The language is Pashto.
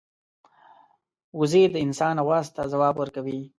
وزې د انسان آواز ته ځواب ورکوي